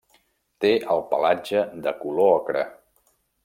Té el pelatge de color ocre.